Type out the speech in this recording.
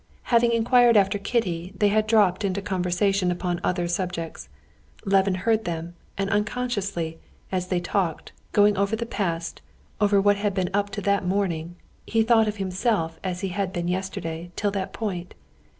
Having inquired after Kitty, they had dropped into conversation upon other subjects. Levin heard them, and unconsciously, as they talked, going over the past, over what had been up to that morning, he thought of himself as he had been yesterday till that point.